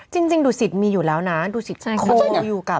จริงดูสิทธิ์มีอยู่แล้วนะดูสิทธิ์โคลอยู่กับ